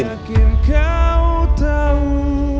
yakin kau tahu